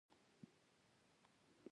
ترموز له سړې هوا سره مقابله کوي.